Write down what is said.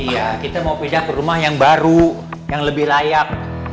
iya kita mau pindah ke rumah yang baru yang lebih layak